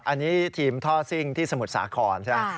อันนี้ทีมท่อซิ่งที่สมุทรสาครใช่ไหม